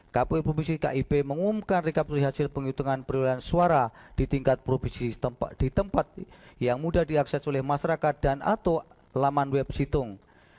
kpu provinsi kib mengumumkan rekapi hasil penghitungan perolehan suara di tingkat provinsi di tempat yang mudah diakses oleh masyarakat dan atau laman web situng